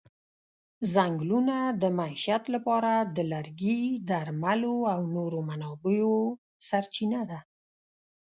ځنګلونه د معیشت لپاره د لرګي، درملو او نورو منابعو سرچینه ده.